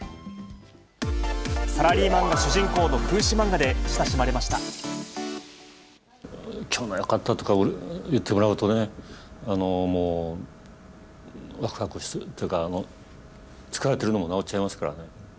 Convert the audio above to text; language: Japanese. サラリーマンが主人公の風刺きょうのはよかったとか言ってもらうとね、もうわくわくするというか、疲れてるのも治っちゃいますからね。